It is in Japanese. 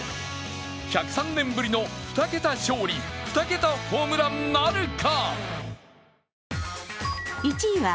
１０３年ぶりの２桁勝利２桁ホームランなるか。